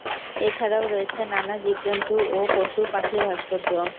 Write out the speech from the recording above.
এছাড়াও রয়েছে নানা জীবজন্তু ও পশু-পাখির ভাস্কর্য।